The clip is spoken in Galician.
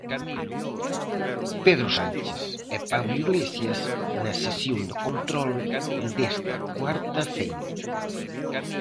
Pedro Sánchez e Pablo Iglesias na sesión de control desta cuarta feira.